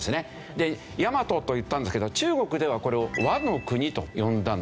でやまとと言ったんですけど中国ではこれを倭の国と呼んだんですよ。